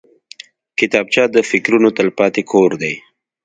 کتابچه د فکرونو تلپاتې کور دی